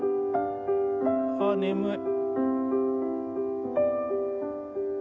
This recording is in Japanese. ああ眠い。